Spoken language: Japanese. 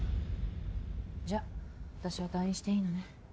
じゃあ私は退院していいのね。